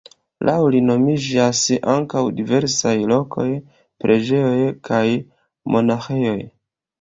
Laŭ li nomiĝas ankaŭ diversaj lokoj, preĝejoj kaj monaĥejoj.